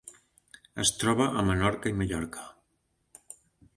Es troba a Menorca i Mallorca.